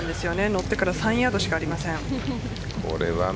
乗ってから３ヤードしかありません。